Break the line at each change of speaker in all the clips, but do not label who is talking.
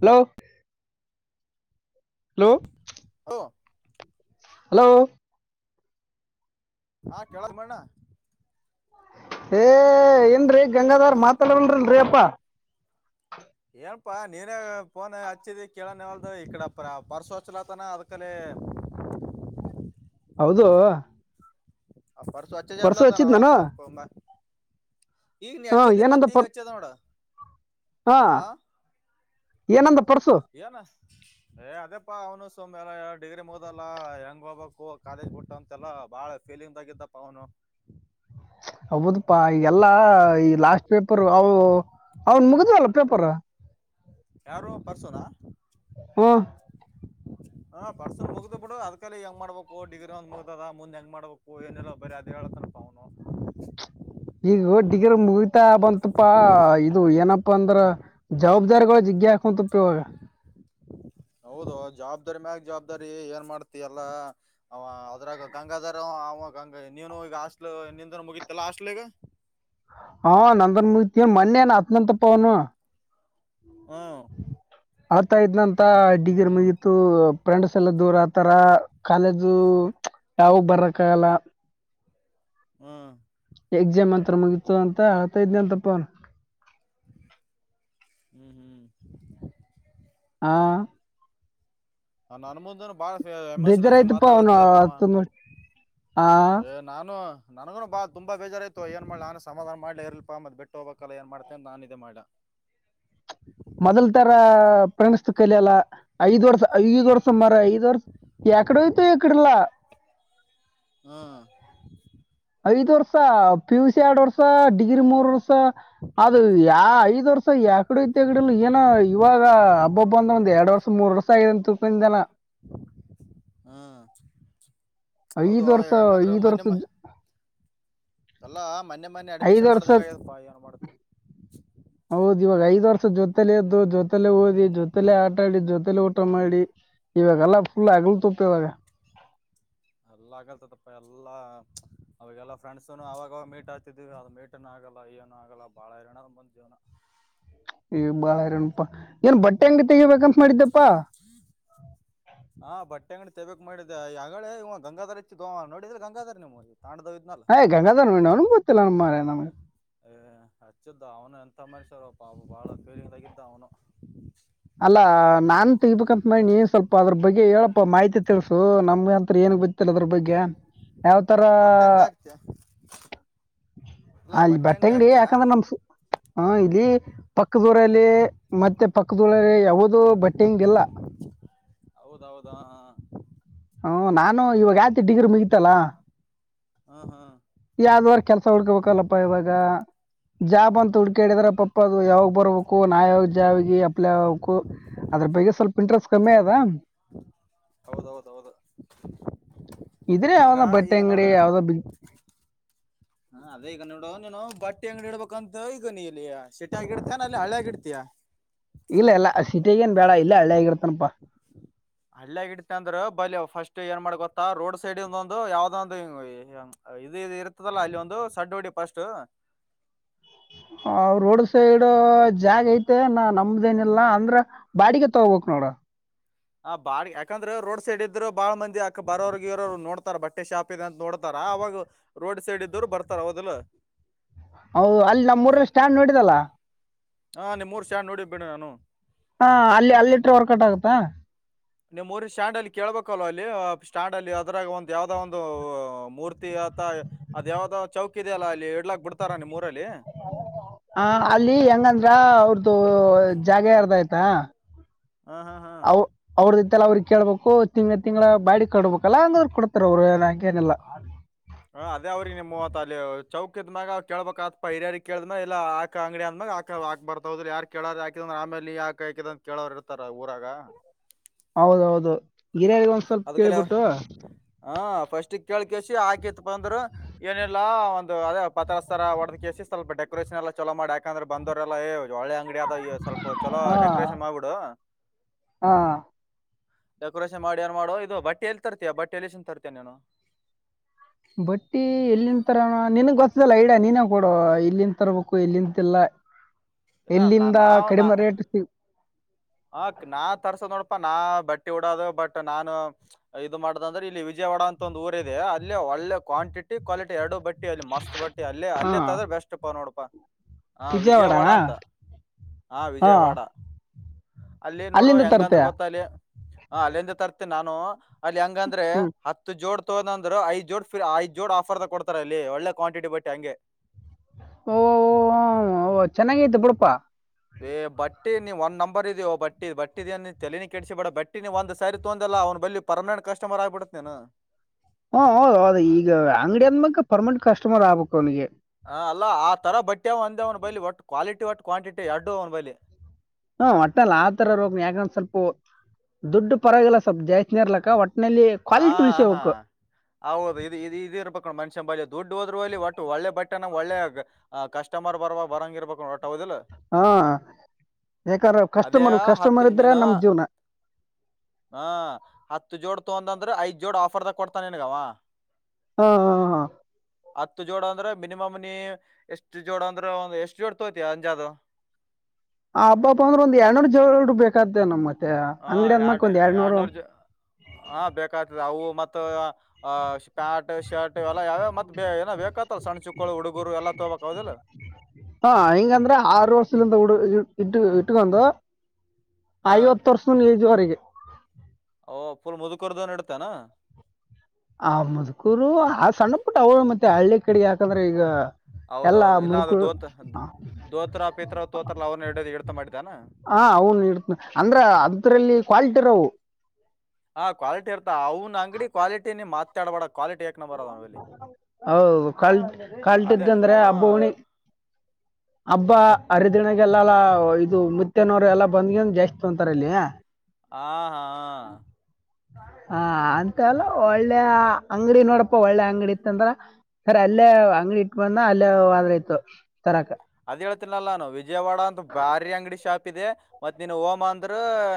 Hello. Hello.
ಹ.
Hello.
ಹಾ ಕೇಳದ ಮಣ್ಣ
ಏ ಏನ್ರೀ ಗಂಗಾಧಾರ್ ಮಾತಾಡವಲ್ರಿಲ್ರರಿ ಅಪ್ಪಾ.
ಏನಪಾ ನೀನೇ ಪಫೋನ್ ಹಚ್ಚಿದಿ ಕೇಳನವಲ್ದು ಇಕಡಪ ಪರ್ಸೋಚ್ಲತನ ಅದ್ಕಲೆ.
ಹೌದು.
ಹಫರ ಸ್ವಚ್ಛ
ಪರ್ಸು
ಜತಲತ ನ
ಹಚ್ಚಿದ್ ನಾನು
ಚಲ್ಪ. ಈಗ ನೀ
ಹಾ
ಹಚ್ಚದ
ಏನಂದ
ಮತ್ ಈಗ
ಪರ್
ಹಚ್ಚದ ನೋಡ
ಹಾ ಏನಂದು ಪರ್ಸ
ವನ [inaudible] ಏ ಅದೇಪ್ಪಾ ಅವ್ನು ಸುಡಿಗ್ರಿ ಮುಗದಲ್ಲ ಹೆಂಗ್ ಹೋಗ್ಕಾಲೇಜ್ ಬಿುಟ್ಟ ಅಂತೆಲ್ಲಾ ಬಾಳ ಫೀಲಿಂಗ್ ಆಗಿದ್ದಪ್ಪ ಅವ್ನು [inaudible]
ಹೌದಪ್ಪಾ ಈ ಎಲ್ಲ ಈ ಲಾಸ್ಟ್ ಪೇಪರ್ ಅ ಅವನ್ ಮುಗಿದವಲ್ಲ ಪೇಪರ್
ಯಾರೋ ಪರ್ಸದ
ಹಾ
ಹ ಪರ್ಸನ್ ಮುಗ್ದು ಬಿಡು ಅ್ಕಲ ಹೆಂಗ್ ಮಾಡ್ಬೇಕು ಡಿಗ್ರಿ ಒಂದ್ ಮುಗ್ದದ ಮುಂದ್ ಹೆಂಗ್ ಮಾಡ್ಬೇಕು ಏನೆಲ್ಲ ಬರ ಅದ ಹೇಳತನಪ್ಪ ಅವನು
ಈಗ ಡಿಗ್ರಿ ಮುಗತಾ ಬಂತಪಾ ಇದು ಏನಪ್ಪಾ ಅಂದ್ರ ಜವಾಬ್ದಾರಿಗ ಜಿಗ್ಗಿ ಹಾಕಂತಪ್ಪ ಇವಾಗ
ಹೌದು ಜವಾಬ್ದಾರಿ ಮ್ಯಾಗ ಜವಾಬ್ದಾರಿ ಏನ್ ಮಾಡ್ತಿ ಎಲ್ಲಾ ಅವ ಅದ್ರಾಗ ಗಂಗಾಧರ ಅವ ಗಂಗಾ ನೀನು ಈಗ ಹಾಸ್ಟ್ಲ್ ನಿಂದ ಮುಗತಲ್ಲಾ ಹಾಸ್ಟ್ಲ್ಗ
ಹಾ ನಂದನ್ ಮುಗತಿ ಮೊನ್ನೆನ್ ಹತ್ನಂತಪ್ಪ ಅವನು
ಹ್ಮ್
ಆತಯತ್ನಂತ ಇಡ್ಡಿಗರ್ ಮುಗಿತ್ತು ಫ್ರೆಂಡ್ಸ್ ಎಲ್ಲ ದೂರ ಆತರ ಕಾಲೇಜು ಯಾವಾಗ ಬರಕ್ಕ ಆಗಲ್ಲ
ಹ್ಮ್
ಎಕ್ಸಾಮ್ ಅಂತ ಮುಗತ ಅಂತ ಹೇಳ್ತಾ ಇದನ ಅಂತಪ್ಪ ಅವನು
ಹ್ಮ್ ಹ್ಮ್
ಹಾ
ನಾ ನನ್ ಮುಂದ ಬಾಳ ಎಮಸಷ
ಬೇಜಾರಾಯ್ತಪ್ಪ ಅವನು
ಮಾತಾಡತಿದಪ್ಪ ಅವ
ಅತ್ತ ನೋಡಿ ಆ
ಏ ನಾನು ನನಗುನು ಬಾ ತುಂಬಾ ಬೇಜಾರಾಯಯತತ್ತು ಏನ್ ಮಾಡ ನಾನು ಸಮಾಧಾನ ಮಾಡ್ಲ ಇರ್ಲ್ಪಾ ಮತ್ ಬಿಟ್ಟು ಹೋಗ್ಬೇಕಲ್ಲ ಏನ್ ಮಾಡ್ತೆ ಅ ನಾನ ಇೇ ಮಾಡ
ಮೊದಲ್ ತರ ಪ್ರಣಿಸ್ತ ಕಲ ಅಲ್ಲ ಐದ್ ವರ್ಷ ಐದ್ ವರ್ಷ ಮಾರ ಐದ್ ವರ್ಷ ಯಾಕಡೆ ಹೋಯ್ತು ಯಕಡಲ್ಲ
ಹ್ಮ [inaudible]
ಐದ್ ವರ್ಷ ಪಿ ಯು ಸಿ ಎರಡ್ ವರ್ಷ ಡಿಗ್ರಿ ಮೂರ್ ವರ್ಷ ಅದು ಯ ಐದ್ ವರ್ಷ ಯಕಡೆ ಐತಿಡಲ್ಲ ಏನೋ ಇವಾಗ ಹಬ್ಬಬ್ ಅಂದ ಒಂದ್ ಎರಡ್ ವರ್ಷ ಮೂರ್ ವರ್ಷ ಆಗಿದೆ ಅಂತಕೊಂಡನ
ಹಾ
ಐದ್ ವರ್ಷ ಐದ್ ವರ್ಷದ
ಎಲಾ ಮೊನ್ನೆ ಮೊನ್ನೆ
ಐದು
ಅಡ್ಮಿಷನ್ ಮಾಡ್ದಂಗ ಆಯದಪ್ಪಾ ಏನು ಮಾಡುತ್ತೆ
ಹೌದ್ ಇವಾಗ ಐದ್ ವರ್ಷ ಜೊತೆಲೆ ಎದ್ದು ಜೊತೆಲ್ಲ ಓದಿ ಜೊತೆಲೆೇ ಆಟಾಡಿ ಜೊತೆಲೆ ಊಟ ಮಾಡಿ ಇವಾಗೆಲ್ಲಾ ಫುಲ್ ಅಗಲು ತುಪ್ಪ ಇವಾಗ
ಎಲ್ಲ ಆಗಲ್ತದಪ್ಪ ಎಲ್ಲಾ ಅವಾಗೆಲ್ಲಾ ಫ್ರೆಂಡ್ಸನು ಅವಾಗಾಗ ಮೀಟ್ ಆತಿದಿವವಿ ಅದ ಮೀಟನು ಆಗಲ್ಲ ಏನು ಆಗಲ್ಲ ಬಾಳ ಇರನದ ಬಂದ್ ಜೀವ್ನ
ಬಾಳ ಇನಪಾ ಏನ್ ಬಟ್ಟೆ ಅಂಗ ತೆಗಿಬೇಕ ಮಾಡಿದ್ದಪ್ಪ
ತೆಂಗಿ ತೆಬೇಕಕ್ ಮಾಡಿದ್ದಿದೆ ಆಗಳೇ ಇವ್ ಗಂಗಾರ ಇಚ್ಚಿ ಗೋ ನೋಡಿದ್ರೆ ಗಂಗಾಧರ್ ನಿಮ್
ಹಯ್ ಗಂಗಾಧರ್ವ ನ ಅವನುತ್ತೆ ಎಲ್ಲ ಮರ ನಮಗೆ
ಏ ಹಚ್ಚಿದ್ದ ಅವನು ಎಂತ ಮನುಷ್ಯರು ಪಾ ಬಾಳ ಫೀರಿಂಗಾಗಿದ್ದ ಅವನು
ಅಲ್ಲಾ ನಾನ್ ತೆಗ್ಬೇಕಂತ ಮಾಡಿ ನೀ ಸ್ವಲ್ಪ ಅದ್ರ ಬಗ್ಗೆ ಹೇಳಪ್ಪ ಮಾಹಿತಿ ತಿಳಸು ನಮ್ಗೆಂತ ್ರೇನು ಬ ಅದ್ರ ಬಗ್ಗೆ
ಬಟ್ಟೆ ಅಂಗಡಿ ಹಾಕ್ತಿಯ ಅಲ್ಲಾ
ಯಾವತರಲ್ಲಿ
ಬಟ್ಟೆ ಅಂಗಡಿ
ಬಟ್ಟೆಂಗಡಿ
ಹಾಕ್ತಿಯಾ
ಯಾಕಂದ್ರೆ ನಮ ಹ ಇಲ್ಲಿ ಪಕ್ಕ ಜೋರಲ್ಲಿ ಮತ್ತೆ ಕಬೋಳರೆ. ಯಾವದು ಬಟ್ಟಿಂಗ ಎಲ್ಲ.
ಹೌದೌದಾ
ಹ್ಮ ನಾನು ಇವಾಗ. ಡಿಗ್ರಿ ಮುಗಿತಲ್ಲ
ಹ್ಮ್ ಹ್ಮ್
ಯಾವ್ದವಾರ ಕೆಲ್ಸ ಹೊಡ್ಕೋಬೇಕಲ್ಲಪ್ಪ ಇವಾಗ. ಜಾಬ್ ಅಂತ ಹುಡ್ಕ ಹೇಳಿದ್ರ ಪಾಪ ಅದು ಯಾವಾಗ್ ಬರ್ಬೇಕು ನಾವ ಯಾವಾಗ ಜಾಬ್ಿ ಅಪ್ಲೈ ಆಗ್ಬೇಕು ಅದ್ರ ಬಗ್ಗೆ ಸ್ವಲ್ಪ ಇಂಟ್ರೆಸ್ಟ್ ಕಮ್ಮಿ ಅದ.
ಹೌದೌದು.
ಇದ್ರೆ
ಈಗ
ಯಾವ್ದ ಬಟ್ಟೆ
ಈಗ
ಅಂಗಡಿ
ನೋಡು
ಯಾವ್ದೋ ಬಿಗ್
ಹ ಅದೇ ಈಗ ನೋಡು ನೀನು ಬ. ಒಟ್ಟಿ ಅಂಗಡಿ ಇಡಬೇಕಂತ ಈಗ ನೀ ಇಲ್ಲಿ ಶಟಿ ಆಗ ಇಡ್ತಾನ ಅಲ್ಲಿ ಹಳೆಾಗಿಡ್ತಿಯಾ.
ಇಲ್ಲ ಎಲ್ಲ ಸಿಟಿಗೇನ್ ಬೇಡ ಇಲ್ಲ ಹಳ್ಳಿಯ ಆಗಿರ್ತನಪ್ಪಾ.
ಹಳ್ಳಯಗ ಇಡತ್ತ ಅಂದ್ರ ಬಳ ಫಸ್ಟ್ ಏನ್ ಮಾಡ್ ಗೊತ್ತಾ ರೋಡ್ ಸೈಡ್ಂದೊಂದು ಯಾವ್ದೊಂದು ಇದ ಇ ಇರ್ತದಲ್ಲಾ ಅಲ್ಲಿ ಒಂದು ಸಡ್ ಹೊಡಿ ಫಸ್ಟ್.
ರೋಡ್ ಸೈಡ್ ಜಾಗ ಐತೆ ನಾ ನಮ್ದ ಏನಿಲ್ಲಾ ಅಂದ್ರ ಬಾಡಿಗೆ ತಗಬೇಕಕ್ ನೋಡ.
ಹ ಬಾಳ್ ಯಾಕಂದ್ರೆ ರೋಡ್ ಸೈಡ್ ಇದ್ರರು ಬಾಳ್ ಮಂದಿ ಅಕ್ಕ ಬರೋರ್ಿಗೆ ಇವರರು ನೋಡ್ತಾರ ಬಟ್ಟೆ ಶಾಪ್ ಅಂತ ನೋಡ್ತಾರ ಅವಾಗ ರೋಡ್ ಸೈಡ್ ಇದರು ಬರ್ತಾರ ಹಓದಲು.
ಹ ಅಲ್ಲಿ ನಮ್ಮ್ೂಊರಲ್ಲಿ ಸ್ಟ್ಯಾಂಡ್ ನೋಡಿದಲ್ಲ.
ಹಾ ನಿಮ್ ಮೂರು ಸ್ಯಾ ನೋಡಿಬೇಡ ನಾನು.
ಹಾ ಅಲ್ಲಿ ಅಲ್ಲಿಟ್ರೆ ವರ್ಕೌಟ್ ಆಗುತ್ತಾ.
ನೀವು್ ಮೂರಿ ಸ್ಟ್ಯಾಂಡ್ ಅಲ್ಲಿ ಕೇಳ್ಬೇಕಲ್ವಾ ಅಲ್ಲಿ ಸ್ಟ್ಯಾಂಡ್ ಅಲ್ಲಿ ಅದ್ರಾಗ ಒ್ ಯಾವ್ದೋ ಒಂದು ಮೂರ್ತಿ ಅಥ ಅ್ ಯಾವದಾವ್ ಚೌಕ್ ಇದೆಯ ಅಲ್ಲ ಅಲ್ಲಿ ಇಡ್ಲಾಕ್ ಬಿಡ್ತಾರ ನೀವು ಮೂರ್.
ಹ ಅಲ್ಲಿ ಹೆಂಗಂದ್ರ ಅವ್ರ್ದ. ಜಾಗ ಯಾರದ ಆಯ್ತಾ.
ಹಾ ಹಾ ಹಾ.
ಅವ್ರಿಗೆ ಕೇಳ್ಬೇಕು. ತಿಂಗ ತಿಂಗ್ಗಳ ಬಾಡಿ ಕಡಬೇಕಲ್ಲ ಅಂಗ್ರ. ಕೊಡ್ತಾರ ಅವರು ನಂಂಗ ಏನೆಲ್ಲ.
ಹ ಅದೇ ಅವ್ರಿಗೆ ನೀ ಮೂವತ್ ಅಲ್ಲಿ ಚೌಕದಿದ್ಮ್ಯಾಗ ಕೇಳ್ಬಕ್ ಆತ್ಪ ಹಿರಿ್ಯಾರಿ ಕೇಳಿದ್ಮ ಇಲ್ಲ ಆಾಕ ಅಂಗಡಿ ಅಂದ್ಮಾಗ ಆಕ ಆಾಕ್ ಬರ್ತದ್ರ ಯಾರ್ ಕೇಳೋಾರ ಯಾಕಿದಂದ್ರ ಆಮೇಲಿ ಯಾಕ ಹಾಕಿದ ಅ ಕೇಳ್ರ ಇರ್ತಾರ ಊರಾಗ.
ಹೌದೌದು. ಗಿರಿಯರಿಗೆ ಒಂದ್ ಸ್ವಲ್ಪ
ಅದಕಲೆ
ಕೇಳ್ಬಿಟ್ಟು.
ಹಾ ಫಸ್ಟ್. ಕಳ್ ಕಸಿ ಹಾಕಿತ್ ಬಂದ್ರರು ಏನಿಲ್ಲ. ಒಂದು ಅದೇ ಪತ್ರಸ್ತರ ಒಡದ ಕಸ ಸ್ವಲ್ಪ ಡೆಕೋರೇಷನ್ ಎಲ್ಲ ಚಲೋ ಮಾಡಿ ಯಾಕಂದ್ರೆ ಬಂದವರೆಲ್ಲ. ಒಳ್ಳೆ ಅಂಗಡಿಯ ಆದ ಈ ಸ್ವಲ್ಪ ಚಲೋ
ಹಾ
ಡೆಕೋರೇಷನ್ ಮಾಡ್ಬಿಡು.
ಹಾ
ಡೆಕೋರೇಷನ್ ಮಾಡಿ. ಏನ್ ಮಾಡೋ ಇದು ಬಟ್ಟೆ ಎಲ್ಲಿ ತರ್ತಯ ಬಟ್ಟೆ ಎಲ್ಲಿ ತರ್ತಿಯ ನೀನು.
ಬಟ್ಟಿ ಎಲ್ಲಿನ್ ತರ ನನ್ಗ್ ಗೊತ್ತಲ್ಲ ಐಡಿಯಾ ನೀನ ಕೊಡುವ ಇಲ್ಲಿನ್ ತರ್ಬೇಕು ಇಲ್ಲಿಂತಲ್ಲ. ಎಲ್ಲಿಂದ ಕಡಿಮೆ ರೇಟ್ ಸಿ.
ಅಕ್ ನಾ ತರ್ಸೋ ನೋಡ್. ನಾ ಬಟ್ಟಿ ಉಡೋದು ಬಟ್ ನಾನು ಇದು ಮಾಡ್ದ ಅಂದ್ರೆ ಇಲ್ಲಿ ವಿಜಯವಾಡ ಅಂತ. ಮತ್ತೊಂದು ಊರ ಇದೆ ಅಲ್ಲಿ ಒಳ್ಳೆ ಕ್ವಾಂಟಿವಾಲಿಟಿ ಎರಡು ಬಟ್ಟಿ ಅಲ್ಲಿ ಮಸ್ತ್ ಬಟ್ಟಿ ಅಲ್ಲೇ
ಹಾ
ಅಲ್ಲತ್ತದ್ರೆ ಬೆಸ್ಟ್ಪಾ ನೋಡಪಾ. ಹ ವಿಜಯವಾಡ
ವಿಜಯವಾಡನ
ಅಂತ ಹಾ ವಿಜಯವಾಡ. ಅಲ್ಲಿ ನೋಡು
ಅಲ್ಲಿಂದ
ಹೆಂಗಂದ್ರೆ
ತರ್ತೀಯ
ಗೊತ್ತಲಿ ಹ ಅಲ್ಲಿಂದ ತರ್ತಿ. ನಾನು. ಅಲ್ಲಿ ಹೆಂಗಂದ್ರೆ
ಹ್ಮ್
ಹತ್ತು ಜೋಡ್. ಅದೊಂದು ಐದ್ ಜೋಡ್ ಐದ್ ಜೋಡ್ ಆಫರ್ ಕೊತಾರೆ ಅಲ್ಲಿ ಒಳ್ಳೆ ಕ್ವಾಂಟಿಟಿ ಬಟ್ಟಿ ಹಂಗೆ.
ಓಹ ಓಹ ಚೆನ್ನಾಗೈತ್ತು ಬುಡಪಾ.
ರ್ ಇದ ಬಟ್ಟಿ ಬಟ್ಟಿದ ಅ ತಲನಿ ಕೆಡಸಿ ಬಿ ಬಟ್ಟಿ ನೀ ಒಂದ ಸ ತೊಂದಲ್ಲ ಅವ್ ಬಿ ಪರ್ಮನೆಂಟ್ ಕಸ್ಟಮರ್ ಆಗ್ಬಿಡುತ್ತೆ ನೀನು.
ಹಾ ಹೌದ್ ಹೌದು ಈಗ ಅಂಗಡಿ ಅಂದ್ಮಕ್ ಪರ್ಮನೆಂಟ್ ಕಸ್ಟಮರ್ ಆಗ್ಬೇಕು ಅವನಿಗೆ.
ಹ ಅಲ್ಲ ಆ ತರ ಬಟ್ಟ. ಒಂದ್ ಬಲಿ ಒಟ್ಟ ಕ್ವಾಲಿಟಿ ಒಟ್ಟ. ಕ್ವಾಂಟಿಟಿ ಎರಡ್ಡು ಒಬೈಲಿ.
ಹ್ಮ ಒಟ್ಟೆಲ್ಲ ಆತರ ರೋಗ ಯಾಕಂದ ಸ್ವಲ್ಪ ದುಡ್ಡು ಪರವಾಗಿಲ್ಲ ಸ್ವಲ್ಪ ಜಾಸ್ನ ಇರ್ಲಕ್ಕ ಒಟ್ಟ.
ಹಾ ಹಾ ಹೌದು ಇ ಇದಿ ಇರ್ಬೇಕ. ಮನುಷ್ಯ ಬಳ ದುಡ್ಡು ಹೋದ್ರಲ್ಲಿ ಒಟ್ಟು ಒಳ್ಳೆ ಬಟ್ಟೆನ ಒಳ್ಳೆ ಕಸ್ಟಮರ್ ಬರ ಬರಂಗ ಇರ್ಬೇಕು. ದ
ಹಾ ಯಾಕಂದ್ರೆ
ಅದೇ
ಕಸ್ಟಮರ್
ಹತ್ತು
ಕಸ್ಟಮರ್ ಇದ್ರೆ
ನೀನು
ನಮ್ಮ ಜೀವನ
ಹ ಹತ್ತು ಜೋಡ್. ಒಂದ್ರೆ ಐದ್ ಜೋಡ್ ಆಫರ್ದ ಕೊಡ್ತಾನ ನನ್ಗವ.
ಹಾ ಹಾ ಹಾ.
ಹತ್ತು ಜೋಡ ಅಂದ್ರೆ ಮಿನಿಮಮ್ ನೀ ಎಷ್ಟು ಜೋಡ ಅಂದ್ರೆ ಒಂದ್ ಎಷ್ಟ್ ಜೋಡ್ ತೋತಿ ಅಂಜಾದ.
ಆ ಹಬ್ಬಬ್ ಅಂದ್ರೆಂದ ಎರಡುನರ ಜವಳ ಇಡ್ಬೇಕು.
ಹ ಎಡ್
ಎರಡ್ನೂರು
ಎಡ್ನೂರ್ ಜ ಹಾ ಬೇಕ್ತದೆ ಅವು. ಮತ್ತ ಅ ಶಪ್ಯಾಟ್. ಶರ್ಟ್ ಎಲ್ಲ ಯಾವ್ಯಾವ ಮತ್ತ ಬ ಏನ ಬೇಕತ್ತ ಸಣ್ಣ ಚುಕ್ಕಳು ಹುಡುಗುರು ಎಲ್ಲ ತಗಬಬೇಕಕ ಹೌದಿಲ್ಲ
ಹಾ ಇಟ್ಟ ಇಟ್ಟಗ ಬಂದ. [unintelligible]
ಹಾ
ಐವತ್ತು ವರ್ಷ ಈಜುವರೆಗೆ.
ಓ ಫುಲ್ ಮುದುಕರ್ದನ್ ಇಡ್ತಾನ.
ಆ ಮದ್ಕೂರು ಆ ಸಣ್ಣ ಪುಟ್ಟ ಅವಳ ಮತ್ತೆ ಹಳ್ಳಿ ಕಡೆ ಯಾಕಂದ್ರೆ ಈಗ. ಎಲ್ಲ
ಹೌದೌದು ಇಲ್ಲ ಅದು
ಮುದುಕರು
ದೋತ ದೋತ್ರ ಪೇತ್ರ ತೋತ್ರ ಎ ಅವನ್ನ ಎರಡ ಇಡ್ತ ಮಾಡಿದ್ದಾನ.
ಹಾ ಅವನು ಉತ್ತರ.
ಹ ಕ್ವಾಲಿಟಿ ಇರ್ತ ಅವ. ಅಂಗಡಿ ಕ್ವಾಲಿಟಿ ಮಾತಾಡಬಡ
ಹೌದು ಕಲ್ಟ್
ಅದೇ
ಕಲ್ಟ್ದಂದ್ರೆ ಹಬ್ಬ
ಹ್ಮ್
ಹಣಿ. ಹಬ್ಬಾ ಹರಿದಿನಗೆಲ್ಲಲ್ಲ ಇದು ಮುತ್ತನೋರು ಎಲ್ಲಾ ಬಂದ್ಗಂದು ಜಾಸ್ತಿ ತೊಂತಾರಲ್ಲಿಯ.
ಹ. ಹಾ.
ಹಾ ಅಂತ ಅಲ್ಲ ಒಳ್ಳೆ ಅಂಗಡಿ ನೋಡಪ್ಪ ಒಳ್ಳೆ ಅಂಗಡಿ ಇತ್ತಂದ್ರ ಸರಿ ಅಲ್ಲೇ ಅಂಗಡಿ ಇಟ್ ಬಂದ ಅಲ್ಲೇ ಹದ್ರ ಇತ್ತು ತರಕ್.
ಅದ ಹೇಳ್ತೀನಲ್ಲಾ ನಾನು ವಿಜಯವಾಡ ಅಂತ ಬಾರಿ ಅಂಗಡಿ ಶಾಪ್ ಇದೆ ಮತ್ ನೀನು ಓಮ ಅಂದ್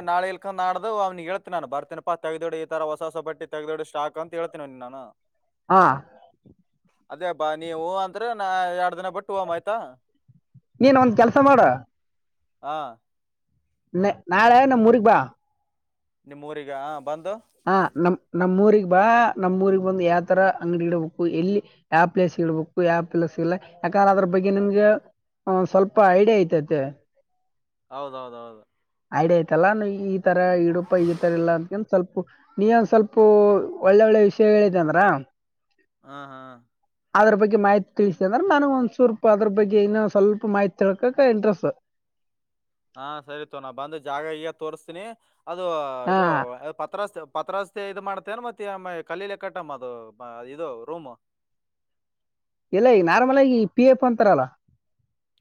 ನಾಳೆ ಇಳ್ಕೊಂಡ್ ಆಾಡ್ದ ಅವನಿಗೆ ಹೇಳ್ತೀಿ ನಾನು ಬರ್ತನಪ್ಪಾ ತಗ್ದೋಡು ಈ ತರ ಹೊಸ ಹೊಸ ಬಟ್ಟಿ ತೆಗ್ದೋಡಿ ಸ್ಟಾಕ್ ಅಂತ ಹೇಳ್ತನ ಅವ ನಾನು.
ಹಾ.
ಅದೇ ಹಬ್ಬಾ ನೀ ಹೂ ಅಂದ್ರ ನಾ ಎರಡ್ ದಿನ ಬಿಟ್ಟು ಹೂವ ಆಯ್ತಾ.
ನೀನ್ ಒಂದ ಕೆಲ್ಸ ಮಾಡ
ಹಾ
ನಾಳೆ ನಮುರಿಗ್ ಬಾ
ನಿಮ್ಮೂರಿಗಾ
ಹಾ ನಮ್ ನಮ್ಮೂರಿಗ್ ಬಾ ನಮ್ಮೂರೀಗ್ ಬಂದ್ ಯಾವ ತರ ಅಂಗಡಿ ಇಡಬೇಕು ಎಲ್ಲಿ ಯಾವ ಪ್ಲೇಸ್ ಗಿಡ್ಬೇಕು ಯಾವ ಪ್ಲೇಸಿಲ್ಲ ಯಾಕರ್ ಅದ್ರ ಬಗ್ಗೆ ನಿಮ್ಗೆ ಸ್ವಲ್ಪ ಐಡಿಯಾ ಇತೈತೆ.
ಹೌದೌದೌದು
ಐಡಿಯಾ ಐತಲ್ಲಾ ಈ ತರ ಇಡಪ ಈ ತರ ಇಲ್ಲಾ ಅಂದಕ ಸ್ವಲ್ಪ ನೀ ಒಂದ ಸ್ವಲ್ಪ ಒಳ್ಳೆ ಒಳ್ಳೆ ವಿಷಯ ಹೇಳಿದ್ ಅಂದ್ರ
ಹಾ ಹಾ
ಅದ್ರ ಬಗ್ಗೆ ಮಾಹಿತಿ ತಿಳಸ ಅಂದ್ರೆ ನನು ಒಂದ್ ಸೂರ್ಪ ಅದ್ರ ಬಗ್ಗೆ ಇನ್ನೊ ಸ್ವಲ್ಪ ಮಾಹಿತಿ ತಿಳ್ಕಕ್ ಇಂಟ್ರೆಸ್ಟ್.
ಹಾ ಸರಿ ತೊ ನಾ ಬಂದ ಜಾಗ ಈಗ ತೋರಿಸ್ತೀನಿ. ಅದು
ಹಾ
ಇದು ಪತ್ರಾಸ್ತೆ ಪತ್ರಾಸ್ತೆ ಇದು ಮಾಡ್ ತೇನ್ ಮತಿ ಅಮ್ಮ ಕಲ್ಲಿಲೆ ಕಟ್ಟಮ್ಮ ಅದು ಬ ಇದು ರೂಮು.
ಎಲ್ಲ ಈ ನಾರ್ಮಲ್ ಆಗಿ ಪಿ ಎಫ್ ಅಂತಾರಲ್ಲ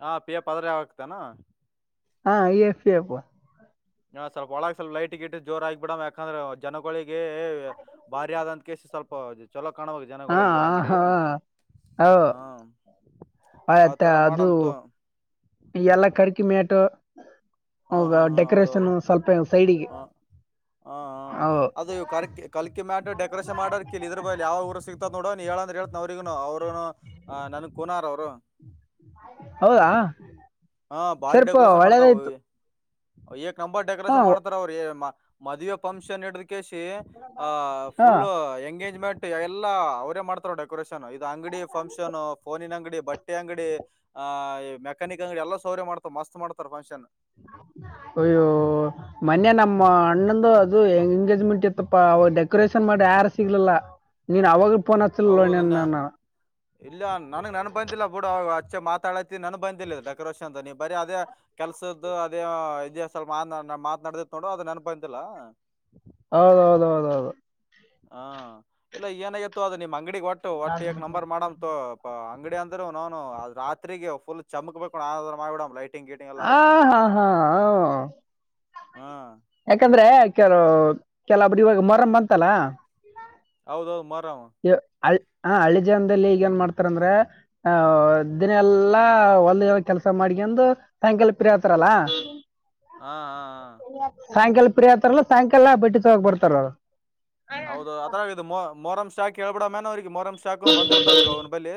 ಹ ಪಿ ಎಫ್ ಆದ್ರ ಯಾವಗ್ತಾನು.
ಹಾ ಈ ಎಫ್ ಪಿ ಎಫ್.
ನಾ ಸ್ವಲ್ಪ ಒಳಾಗ ಸ್ವಲ್ ಲೈಟ್ ಗಿಟ್ ಜೋರಾಗಿ ಆಗಿ ಬಿಡ ಯಾಕಾಂದ್ರ್ ಜನಗೊಳಿ ಗೆ ಭಾರಿ ಆದಂತಕೆಸ್ ಸ್ವಲ್ ಪ ಇದು ಚಲೋ ಕಾಣ ಹೋಗಿ
ಹಾ
ಜನಗಳಿಗೆ ಅಂಗಡಿ
ಹಾ
ಹಾ ಆ
ಆಯ್ತಾ
ತರ
ಅದು
ಮಾಡಮ್ ತೊ
ಎಲ್ಲ ಕರಿಕಿಮ್ಯಾಟು
ಹ್ಮ್ ಹ್ಮ್ ಹ್ಮ್ ಹೌದ್ ಹೌದು
ಸ್ವಲ್ಪ ಸೈಡಿಗೆ
ಹ್ಮ್ ಹ್ಮ್ ಹ್ಮ್ ಅದು ಕರ್ಕಿ ಕಲ್ಕಿ ಮ್ಯಾಟ್ ಡೆಕೋರೇಷನ್ ಮಾಡರ್ ಕಲ್ ಇದ್ರ ಬಗ್ಲಿ ಯಾವ ಊರ ಸಿಗ್ತದ್ ನೋಡ ನೀ ಏಳ್ಂದ್ರೆ ಹೇಳ್ತ್ನ್ ಅವ್ರಿಗುನು ಅವ್ರುನು ನನ್ಗ್ ಕುನಾರ್ ಅವರು
ಹೌದಾ
ಹಾ ಭಾರಿ
ಸ್ವಲ್ಪ
ಡೆಕೋರೇಷನ್ ಮಾಡ್ತಾವ
ಒಳ್ಳೇದಾಯ್ತು
ಹವಿ ಅಯ್ಯೇ ಕಂಬಾ
ಹಾ
ಡೆಕೋರೇಷನ್ ಮಾಡ್ತಾರ್ ಅವ್ರ್ ಯೆ ಯಮ್ಮ ಮದುವೆ ಫಂಕ್ಷನ್ ಹಿಡ್ ಕೆಸಿ
ಹಾ
ಫುಲ್ ಎಂಗೇಜ್ಮೆ ಟ್ ಎಲ್ಲ ಅವ್ರೇ ಮಾಡ್ತಾರೆ ಡೆಕೋರೇಷನ್. ಇದು ಅಂಗಡಿ ಫಂಕ್ಷನ್ ಫೋನಿನ ಅಂಗಡಿ ಬಟ್ಟೆ ಅಂಗಡಿ ಆ ಈ ಮೆಕ್ಯಾನಿಕ್ ಅಂಗಡಿ ಎಲ್ಲ ಸೌರ್ಯ ಮಾಡ್ತಾರೆ ಮಸ್ತ್ ಮಾಡ್ತಾರೆ ಫಂಕ್ಷನ್.
ಅಯ್ಯೋ ಮನ್ನೆ ನಮ್ಮ ಅಣ್ಣಂದು ಅದು ಎಂಗೇಜ್ಮೆಂಟ್ ಇತ್ತಪ್ಪ ಅವ ಡೆ ಕೋರೇಷನ್ ಮಾಡ್ ಯಾರು ಸಿಗ್ಲಲ್ಲ. ನೀನ್ ಅವಾಗ ಫೋನ್ ಹಚ್ಚಲಿಲ್ಲ ನೀನು
ಹೌದನ್ನ
ನಾನು
ಇಲ್ಲ ನನಗ್ ನೆನ್ಪಂತಿಲ್ಲ ಪೂಡ ಅವ ಮುಂಚೆ ಮಾತಾಡತಿ ನನ್ಗ್ ಬಂದಿಲ್ಲ ಡೆಕೋರೇಷನ್ ಅಂತ ನೀ ಬರೀ ಅದೇ ಕೆಲ್ಸದ್ದ ಅದೇ ಇದೇ ಸಲ್ ಮಾತ ಮಾತನಾಡ್ದ ನೋಡು ಅದ ನನ್ಗ್ ಬಂದಿಲ್ಲ
ಹೌದೌದೌದೌದು
ಹಾ ಇಲ್ಲ ಏನಾಗಿತ್ತು ಅದು ನಿಮ್ಮ್ ಅಂಗಡಿ ಒಟ್ಟು ಒಟ್ಟು ನಂಬರ್ ಮಾಡ್ ಅಂಗಡಿ ಅಂದ್ರು ನನು ರಾತ್ರಿಗೆ ಫುಲ್ ಚಮಕ್ಬೇಕು ಮಾಡಿಡ ಲೈಟ್
ಆ ಹಾ ಹಾ ಹ
ಹಾ
ಯಾಕಂದ್ರೆ ಕೆಲ ಕೆಲೊಬ್ರು ಇವಾಗ ಮರಮ ಬಂತಲ್ಲ
ಹೌದೌದು ಮತ್
ಅ [unintelligible] ಹ ಹಳ್ಳಿ ಜನ್ದಲ್ಲಿ ಈಗ ಏನ್ ಮಾಡ್ತಾರಂದ್ರೆ ಆ ದಿನ ಎಲ್ಲಾ ಒಲ್ ಕೆಲ್ಸ ಮಾಡ್ಕಂದು ಸಾಯಂಕಾಲ ಪ್ರರಿ ಆತಾರಲ್ಲ
ಹಾ ಹಾ ಹಾ
್ರಿ ಆತಾರಲ್ಲ ಸಾಯಂಕಾಲ ಬಿಟ್ಟಿ ಹೋಗಿ ಬರ್ತಾರರು
ಹೌದು ಅರ ಇದು ಮ ಮೊರಂ ಕೇಳಬಡ ಮೇನ್ ಅವಿಗೆ ಮೊರಂ್ ಶಾಕ್ ಬಂದಿರ್ತಾವ ಈವ ಅವನ ಬಲ್ಲಿಿ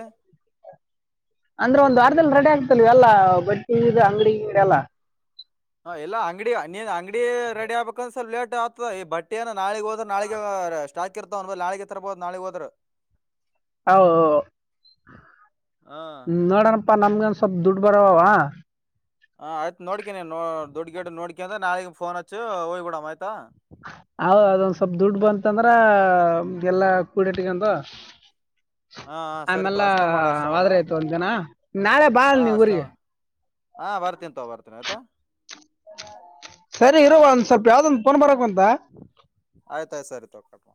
ಅಂದ್ರೆ ಒಂದ್ ವಾರದಲ್ಲಿ ರೆಡಿ ಆಗ್ತಲ್ವ ಎಲ್ಲ ಬಟ್ಟಿ ಇದು ಅಂಗಡಿದೆ ಎಲ್ಲಾ
ಹಾ ಎಲ್ಲಾ ಅಂಗಡಿ ನೀನ್ ಅಂಗಡಿ ರೆಡಿ ಆಗ್ಬೇಕಂದ್ರ ಸ್ಲ್ ಲೇಟ್ ಆಗ್ತದೆ ಈ ಬಟ್ಟೆಏನ ನಾಳಗ್ ಹೋದ್ರೆ ನಾಳಗ ಸ್ಟಾಕ್ ಇರ್ತಾವ ಒಂದ ಮೇಲೆ ನಾಳಿಗೆ ತರ್ಬೋದು ನಾಳಗ್ ಹೋದ್ರೆ
ಹ
[inaudible]
ಹ್ಮ ನೋಡಣ ಅಪ್ಪಾ ನಮ್ಗಂದ ಸ್ವಲ್ಪ ದುಡ್ಡು ಬರವ
ದದುಡ್ಡ ಗೇಡ್ ನೋಕ ಅಂದೆ ನಾಳಿಗೆ ಫನ್ ಹಚ್ಚ ಹೋಗಿಡಣ ಆಯತಾ
ಹದ ಅದೊಂದ ಸ್ವಲ್ಪ್ ದುಡ್ ಬಂತಂದ್ರ ಎಲ್ಲಾ ಕೂಡಟ್ಟಗಂದು
ಹಾ ಸರಿತವ ಅಷ್ಟೇ ಮಾಡ ಅಷ್ಟೇ ಮಾಡ
ಆಯ್ತು ಒಂದ್ ದಿನ ನಾಳೆ ಬಾ
ಹ
ನೀ
ಅಷ್ಟೇ
ಊರಿಗೆ
ಹಾ ಬರ್ತೀನ ತವ ಬರ್ತೀನಿ ಆಯ್ತಾ
ಸರಿ
ಹಾ
ಇರುವೋ ಒಂದ್ ಸ್ವಲ್ಪ ಯಾವ್ದೊಂದ ಪಫೋನ್ ಬರಕ್ಂತ
ಆಯ್ತಾಯ್ತು ಸರಿ ತೋ ಕಟ್ ಮಾಡು